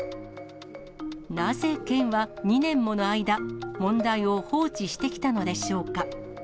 なぜ県は２年もの間、問題を放置してきたのでしょうか。